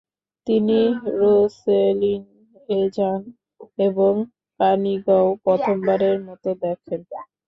তিনি রোসেলিন-এ যান এবং কানিগউ প্রথমবারের মত দেখেন।